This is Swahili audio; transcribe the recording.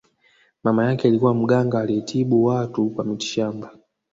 mama yake alikuwa mganga aliyetibu watu kwa mitishamba